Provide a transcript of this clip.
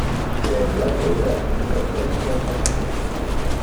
Sembla que era un retòric destacat.